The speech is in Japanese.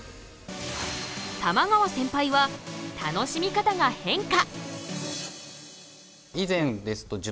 玉川センパイは「楽しみ方が変化」。